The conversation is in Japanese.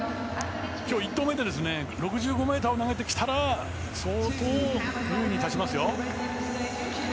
今日、１投目で６５ｍを投げてきたら相当優位に立ちますよ。